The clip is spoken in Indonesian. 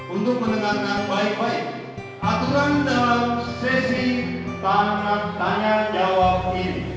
untuk menekankan baik baik aturan dalam sesi tanya jawab ini